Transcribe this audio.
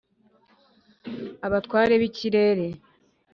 abatware b’ikirere